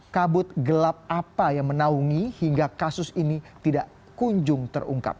kabut gelap apa yang menaungi hingga kasus ini tidak kunjung terungkap